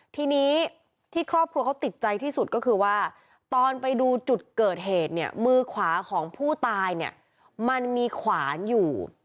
ทีนี้ที่ครอบครัวเขาติดใจที่สุดก็คือว่าตอนไปดูจุดเกิดเหตุเนี่ยมือขวาของผู้ตายเนี่ยมันมีขวานอยู่